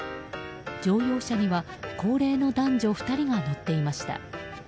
乗用車には高齢の男女２人が乗っていました。